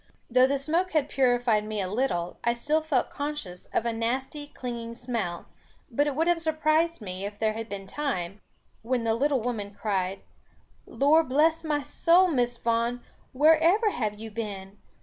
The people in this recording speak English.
Though the smoke had purified me a little, I still felt conscious of a nasty clinging smell; but it would have surprised me, if there had been time, when the little woman cried, "Lor bless my soul, Miss Vaughan, where ever have you been?